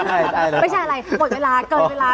อ่าได้ได้ไม่ใช่อะไรหมดเวลาเกินเวลา